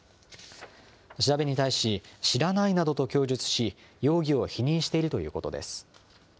調べに対し、知らないなどと供述し、容疑を否認しているということです。